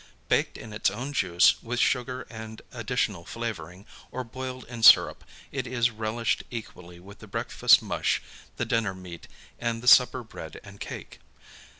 Baked in its own juice, with sugar and additional flavoring, or boiled in syrup, it is relished equally with the breakfast mush, the dinner meat, and the supper bread and cake.